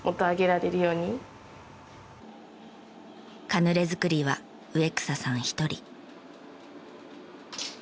カヌレ作りは植草さん１人。